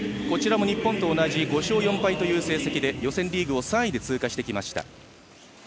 こちらも日本と同じ５勝４敗という成績で予選リーグを３位で通過してきました。